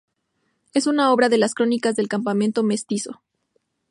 Es una obra de "Las Crónicas del Campamento Mestizo".